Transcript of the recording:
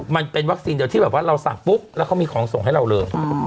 มันเป็นวัคซีนเดียวที่แบบว่าเราสั่งปุ๊บแล้วเขามีของส่งให้เราเลย